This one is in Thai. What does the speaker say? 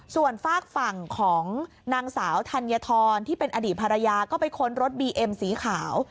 ส่วนฝากฝั่งของนางสาวธัญฑรที่เป็นอดีตภรรยาก็ไปค้นรถบีเอ็มสีขาว